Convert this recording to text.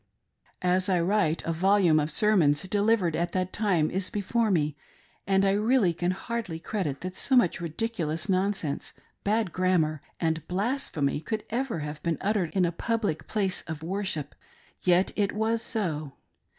As I write a volume of sermons delivered at that time is before me, and I really can hardly credit that so much ridiculous nonsense, bad grammar, and blasphemy, could ever have been uttered in a public place of worship ;— yet it was so.